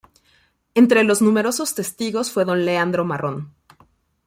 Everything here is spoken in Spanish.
Entre los numerosos testigos fue don Leandro Marrón.